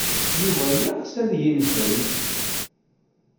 Yuba yeɣs ad yenfel.